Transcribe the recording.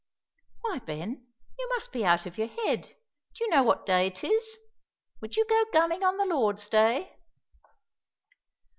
"Why, Ben, you must be out of your head; do you know what day 'tis? would you go gunning on the Lord's day?"